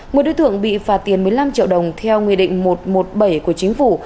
một đối tượng bị phạt tiền một mươi năm triệu đồng theo nguyên định một trăm một mươi bảy của chính phủ